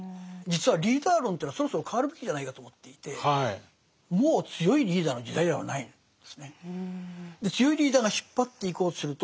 実はリーダー論というのはそろそろ変わるべきじゃないかと思っていてもう強いリーダーの時代ではないんですね。